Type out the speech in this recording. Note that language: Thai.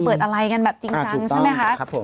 เปิดอะไรกันแบบจริงจังใช่ไหมคะ